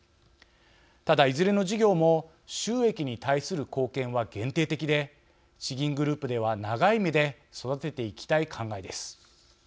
ただ、いずれの事業も収益に対する貢献は限定的で地銀グループでは長い目で育てていきたい考えです。